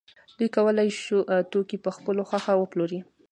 دوی کولای شو توکي په خپله خوښه وپلوري